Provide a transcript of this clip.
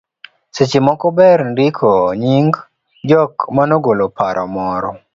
Seche moko ber ndiko nying jok manogolo paro moro